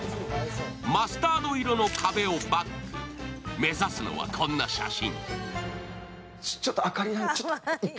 マスタード色の壁をバック、目指すのはこんな写真。